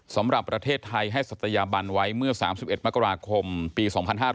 สำหรับประเทศไทยให้ศัตยาบันไว้เมื่อ๓๑มกราคมปี๒๕๕๙